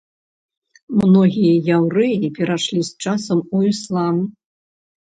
Многія яўрэі перайшлі з часам у іслам.